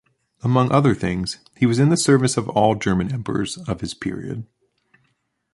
Among other things he was in the service of all German emperors of his period.